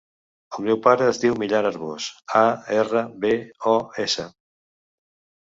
El meu pare es diu Milan Arbos: a, erra, be, o, essa.